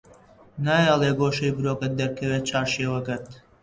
نایەڵێ گۆشەی برۆکەت دەرکەوێ چارشێوەکەت